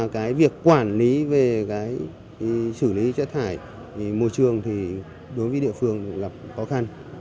cái việc quản lý về xử lý chất thải môi trường thì đối với địa phương là khó khăn